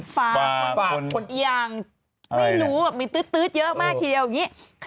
ฟ้าขนยังไม่รู้แบบมีตื๊ดเยอะมากทีเดียวอย่างนี้